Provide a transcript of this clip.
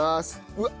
うわっ！